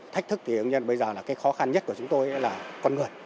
thách thức thì bây giờ là cái khó khăn nhất của chúng tôi là con người